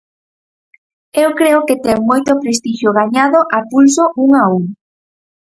Eu creo que ten moito prestixio gañado a pulso un a un.